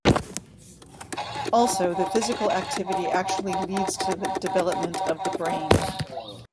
Also, the physical activity actually leads to the development of the brain.